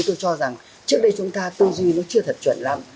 tôi cho rằng trước đây chúng ta tư duy nó chưa thật chuẩn lắm